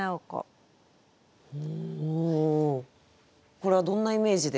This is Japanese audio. これはどんなイメージで？